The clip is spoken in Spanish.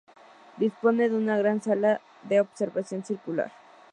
Dispone de una gran sala de observación circular.